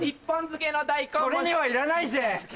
それにはいらないぜ！